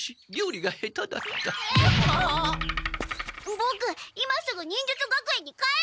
ボク今すぐ忍術学園に帰る！